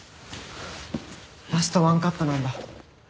ラスト１カットなんだ。